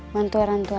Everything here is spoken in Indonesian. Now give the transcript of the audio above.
bantu orang tua